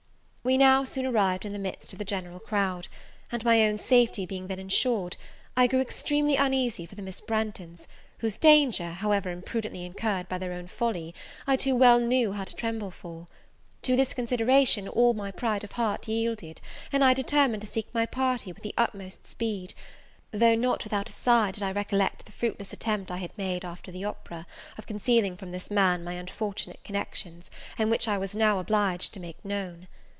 We now soon arrived in the midst of the general crowd; and, my own safety being then insured, I grew extremely uneasy for the Miss Branghtons, whose danger, however imprudently incurred by their own folly, I too well knew how to tremble for. To this consideration all my pride of heart yielded, and I determined to seek my party with the utmost speed; though not without a sigh did I recollect the fruitless attempt I had made after the opera, of concealing from this man my unfortunate connections, which I was now obliged to make known.